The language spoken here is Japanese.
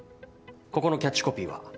ここのキャッチコピーは。